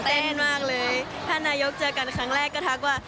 ตื่นเต้นมากเลยท่านนายกเจอกันครั้งแรกก็ทักว่า